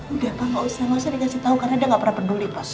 udah pak gak usah maksudnya dikasih tau karena dia gak pernah peduli pas